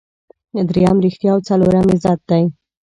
دریم ریښتیا او څلورم عزت دی.